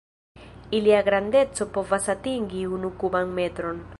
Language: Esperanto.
Ilia grandeco povas atingi unu kuban metron.